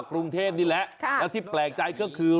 กรุงเทพนี่แหละแล้วที่แปลกใจก็คือ